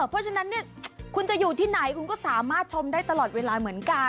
เพราะฉะนั้นคุณจะอยู่ที่ไหนคุณก็สามารถชมได้ตลอดเวลาเหมือนกัน